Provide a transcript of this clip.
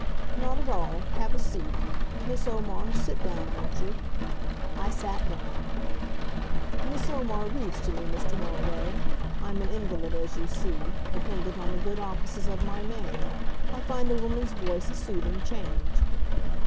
"Not at all. Have a seat. Miss Omar, sit down, won't you?" I sat down. "Miss Omar reads to me, Mr. Moriway. I'm an invalid, as you see, dependent on the good offices of my man. I find a woman's voice a soothing change."